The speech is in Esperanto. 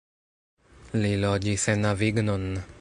Li loĝis en Avignon.